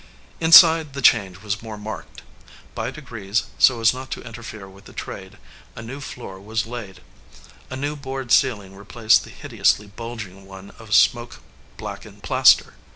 Inside, the change was more marked. By de 306 "A RETREAT TO THE GOAL" grees, so as not to interfere with the trade, a new floor was laid. A new board ceiling replaced the hideously bulging one of smoke blackened plaster.